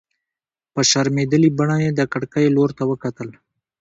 په شرمېدلې بڼه يې د کړکۍ لور ته وکتل.